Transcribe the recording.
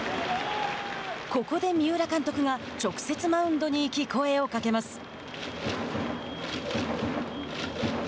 ここで三浦監督が直接マウンドに行き声をかけます。